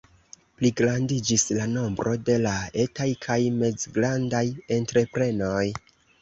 Pligrandiĝis la nombro de la etaj kaj mezgrandaj entreprenoj.